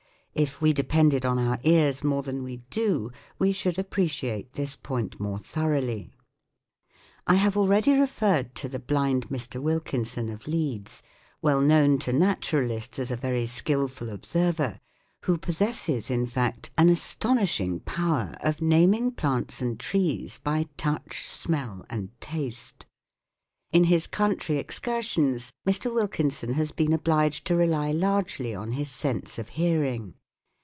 If we depended on our ears more than we do, we should appreciate this point more thoroughly. I have already referred to the blind Mr. Wilkinson of Leeds, well known to naturalists as a very skilful observer, who possesses in fact an SOUNDS OF THE COUNTRY 129 astonishing power of naming plants and trees by touch, smell, and taste. In his country excursions Mr. Wilkinson has been obliged to rely largely on his sense of hearing.